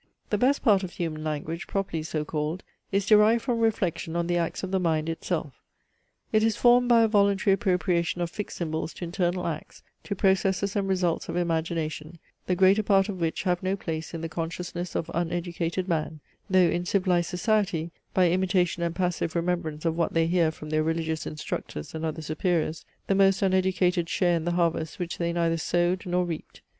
The best part of human language, properly so called, is derived from reflection on the acts of the mind itself. It is formed by a voluntary appropriation of fixed symbols to internal acts, to processes and results of imagination, the greater part of which have no place in the consciousness of uneducated man; though in civilized society, by imitation and passive remembrance of what they hear from their religious instructors and other superiors, the most uneducated share in the harvest which they neither sowed, nor reaped.